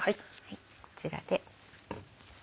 こちらで。